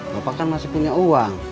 bapak kan masih punya uang